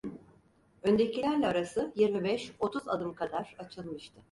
Öndekilerle arası yirmi beş, otuz adım kadar açılmıştı.